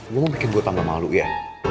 gue mau bikin gue tambah malu ya